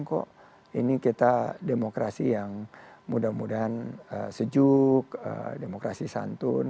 kok ini kita demokrasi yang mudah mudahan sejuk demokrasi santun